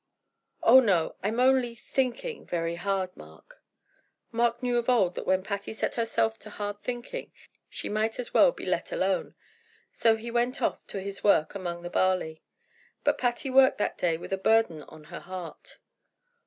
"Oh, no; I'm only thinking very hard, Mark." Mark knew of old that when Patty set herself to hard thinking she might as well be let alone, so he went off to his work among the barley. But Patty worked that day with a burden on her heart.